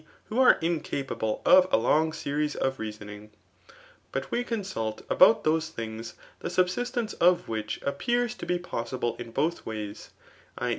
who are incapable of a long series oi reaaoning.j But we consult about thobe things theaubststnoce <^ which afkpeto to be possi* fakdn both wayt^ [i.